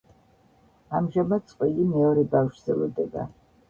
ამჟამად წყვილი მეორე ბავშვს ელოდება.